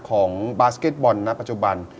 ของบาสเก็ตบอลณปัจจุบัน